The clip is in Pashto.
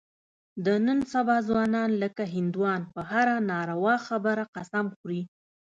د نن سبا ځوانان لکه هندوان په هره ناروا خبره قسم خوري.